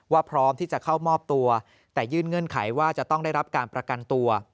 พร้อมที่จะเข้ามอบตัวแต่ยื่นเงื่อนไขว่าจะต้องได้รับการประกันตัว